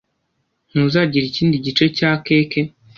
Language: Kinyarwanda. Ntuzagira ikindi gice cya keke?